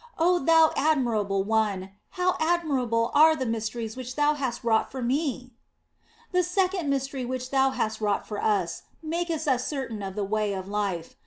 Oh Thou Admirable One, how admirable are the mysteries which Thou hast wrought for me !" The second mystery which Thou hast wrought for us maketh us certain of the way of life.